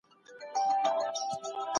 ځینې کلتورونه دا غږونه نمانځي.